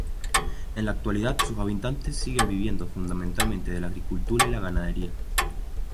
En la actualidad, sus habitantes siguen viviendo fundamentalmente de la agricultura y la ganadería.